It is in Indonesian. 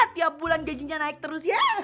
tiap bulan gajinya naik terus ya